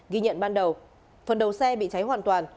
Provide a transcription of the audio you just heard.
ghi nhận ban đầu phần đầu xe bị cháy hoàn toàn